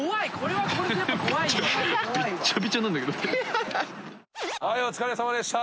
はいお疲れさまでした。